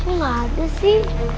nggak ada sih